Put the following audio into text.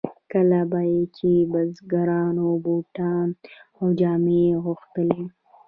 کله به چې بزګرانو بوټان او جامې غوښتلې.